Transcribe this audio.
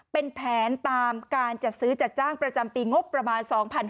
เป็นแผนตามการจัดซื้อจัดจ้างประจำปีงบประมาณ๒๕๕๙